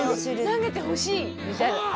投げてほしいみたいな。